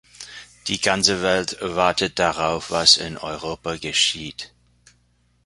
Die ganze Welt wartet darauf, was in Europa geschieht.